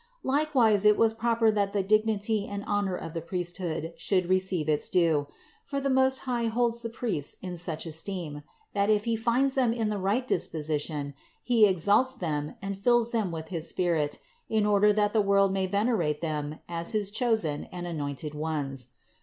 300. Likewise it was proper that the dignity and honor of the priesthood should receive its due; for the Most High holds the priests in such esteem, that if He finds them in the right disposition, He exalts them and fills them with his Spirit in order that the world may venerate them as his chosen and anointed ones.